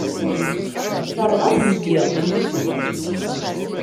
Terɣa teẓgi.